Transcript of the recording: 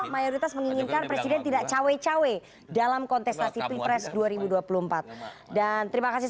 mayoritas menginginkan presiden tidak cawe cawe dalam kontestasi pilpres dua ribu dua puluh empat dan terima kasih